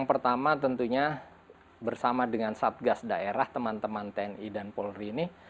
pertama tentunya bersama dengan subgas daerah teman teman polri ini